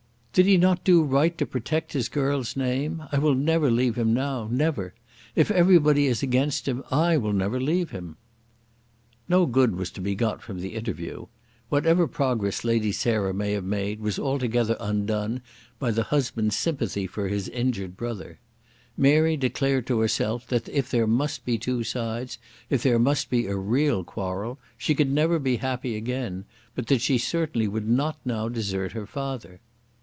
"Did he not do right to protect his girl's name? I will never leave him now; never. If everybody is against him, I will never leave him." No good was to be got from the interview. Whatever progress Lady Sarah may have made was altogether undone by the husband's sympathy for his injured brother. Mary declared to herself that if there must be two sides, if there must be a real quarrel, she could never be happy again, but that she certainly would not now desert her father.